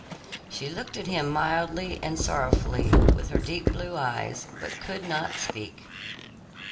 She looked at him mildly and sorrowfully with her deep blue eyes, but could not speak.